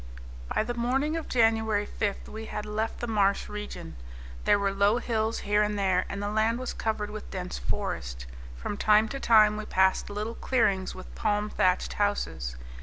By the morning of January 5 we had left the marsh region. There were low hills here and there, and the land was covered with dense forest. From time to time we passed little clearings with palm thatched houses.